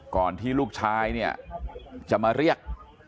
ก่อนที่ลูกชายเนี่ยจะมาเรียก